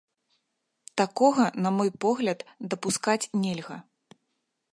Такога, на мой погляд, дапускаць нельга.